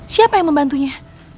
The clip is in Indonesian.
siapa yang membantunya